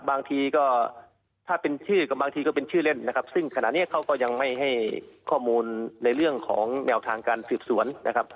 บางทีก็ถ้าเป็นชื่อก็บางทีก็เป็นชื่อเล่นนะครับซึ่งขณะนี้เขาก็ยังไม่ให้ข้อมูลในเรื่องของแนวทางการสืบสวนนะครับ